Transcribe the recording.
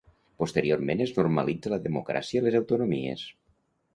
Posteriorment es normalitza la democràcia i les autonomies.